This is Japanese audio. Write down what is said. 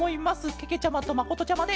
けけちゃまとまことちゃまで。